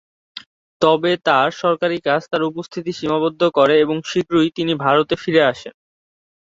তবে তাঁর সরকারী কাজ তাঁর উপস্থিতি সীমাবদ্ধ করে এবং শীঘ্রই তিনি ভারতে ফিরে আসেন।